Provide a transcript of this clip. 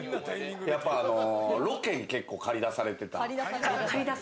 やっぱりロケに結構駆り出されてた。